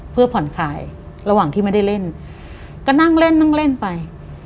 เพื่อผ่อนขายระหว่างที่ไม่ได้เล่นก็นั่งเล่นนั่งเล่นไป